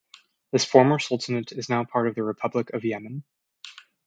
This former sultanate is now part of the Republic of Yemen.